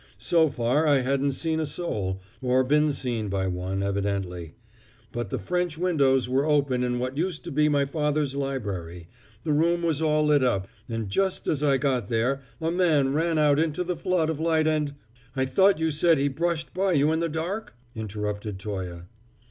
So far I hadn't seen a soul, or been seen by one, evidently; but the French windows were open in what used to be my father's library, the room was all lit up, and just as I got there a man ran out into the flood of light and " "I thought you said he brushed by you in the dark?" interrupted Toye.